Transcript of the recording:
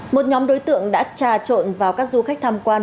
một nhóm đối tượng đã trà trộn vào các du khách tham quan